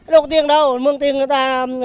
đâu có tiền đâu muôn tiền người ta